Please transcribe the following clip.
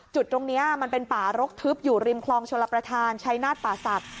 จุดตรงนี้มันเป็นป่ารกทึบอยู่ริมคลองชลประธานชายนาฏป่าศักดิ